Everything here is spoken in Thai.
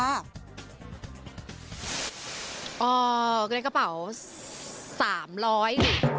อ๋อก็ได้กระเป๋าสามร้อย